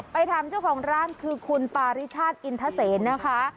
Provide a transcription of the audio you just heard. ไปถามเจ้าของร้านคือคุณปาริชาติอินทเซนนะคะ